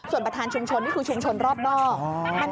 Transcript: ส่วนประธานชุมชนนี่คือชุมชนรอบนอก